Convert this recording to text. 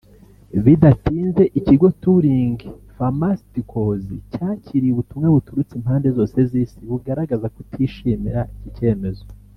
Bidatinze ikigo Turing Pharmaceuticals cyakiriye ubutumwa buturutse impande zose z’Isi bugaragaza kutishimira iki cyemezo